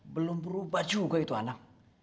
belum berubah juga itu anak